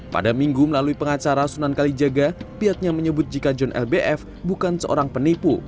pada minggu melalui pengacara sunan kalijaga pihaknya menyebut jika john lbf bukan seorang penipu